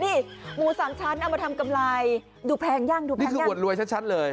นี่หมูสังชัดเอามาทำกำไรดูแพงยังคืออวดรวยชัดเลย